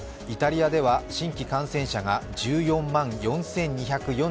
イタリアでは新規感染者が１４万４２４３人